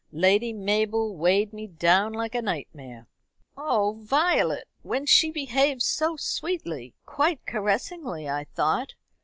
"Lady Mabel weighed me down like a nightmare." "Oh Violet! when she behaved so sweetly quite caressingly, I thought.